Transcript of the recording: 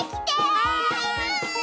はい。